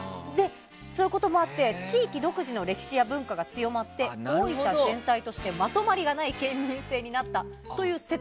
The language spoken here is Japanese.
そういうこともあって地域独自の歴史や文化が強まって大分全体としてまとまりがない県民性になったという説。